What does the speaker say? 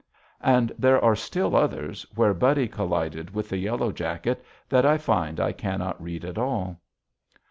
And there are still others, where Buddy collided with the yellow jacket, that I find I cannot read at all.